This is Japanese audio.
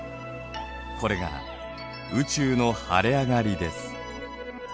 これが宇宙の晴れ上がりです。